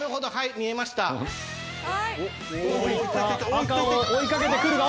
赤を追いかけてくるが。